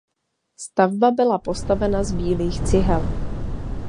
Stavba byla postavena z bílých cihel.